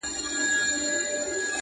ورور له کلي لرې کيږي ډېر،